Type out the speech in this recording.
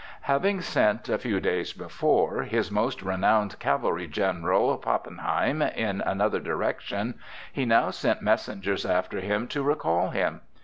Having sent, a few days before, his most renowned cavalry general, Pappenheim, in another direction, he now sent messengers after him to recall him.